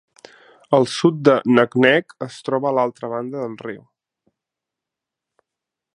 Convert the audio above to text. El sud de Naknek es troba a l'altra banda del riu.